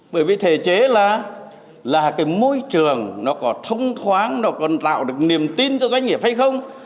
bởi vì thể chế là là cái môi trường nó có thông thoáng nó còn tạo được niềm tin cho các anh hiểu phải không